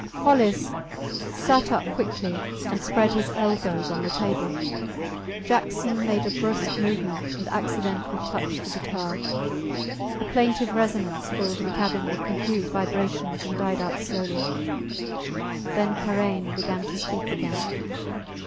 Hollis sat up quickly, and spread his elbows on the table. Jackson made a brusque movement, and accidentally touched the guitar. A plaintive resonance filled the cabin with confused vibrations and died out slowly. Then Karain began to speak again.